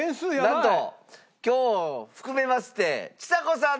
なんと今日を含めましてちさ子さん